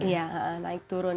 iya naik turun